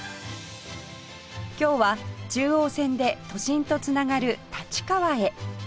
今日は中央線で都心と繋がる立川へ